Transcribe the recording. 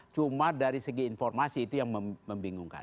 cuma dari segi informasi itu yang membingungkan